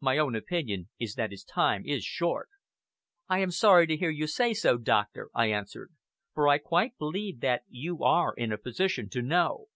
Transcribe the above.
My own opinion is that his time is short." "I am sorry to hear you say so, doctor," I answered; "for I quite believe that you are in a position to know."